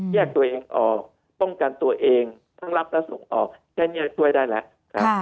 แยกตัวเองออกป้องกันตัวเองทั้งรับและส่งออกแค่นี้ช่วยได้แล้ว